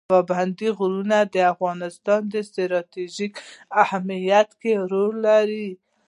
پابندی غرونه د افغانستان په ستراتیژیک اهمیت کې رول لري.